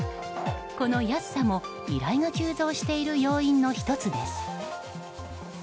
この安さも依頼が急増している要因の１つです。